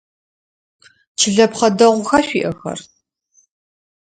Чылэпхъэ дэгъуха шъуиӏэхэр?